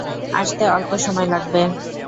আসতে অল্প সময় লাগবে।